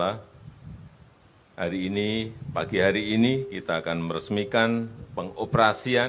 hari ini pagi hari ini kita akan meresmikan pengoperasian